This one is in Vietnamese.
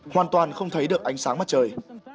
hoàn toàn không thấy được ánh sáng mắt trời